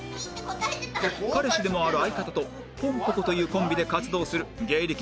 彼氏でもある相方とぽんぽこというコンビで活動する芸歴